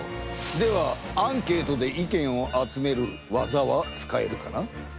ではアンケートで意見を集める技は使えるかな？